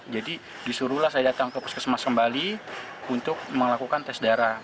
jadi disuruhlah saya datang ke puskesmas kembali untuk melakukan tes darah